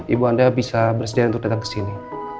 ibu anda bisa bersedia untuk datang ke sini